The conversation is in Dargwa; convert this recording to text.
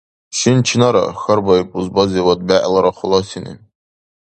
— Шин чинара? — хьарбаиб узбазивад бегӀлара халасини.